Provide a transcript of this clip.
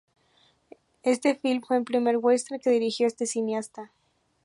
Este film fue el primer western que dirigió este cineasta.